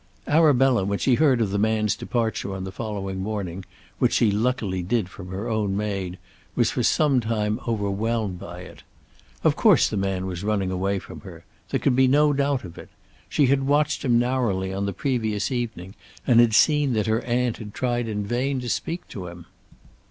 Arabella when she heard of the man's departure on the following morning, which she luckily did from her own maid, was for some time overwhelmed by it. Of course the man was running away from her. There could be no doubt of it. She had watched him narrowly on the previous evening, and had seen that her aunt had tried in vain to speak to him.